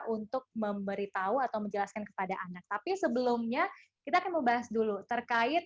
untuk memberitahu atau menjelaskan kepada anak tapi sebelumnya kita akan membahas dulu terkait